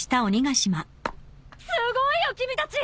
すごいよ君たち！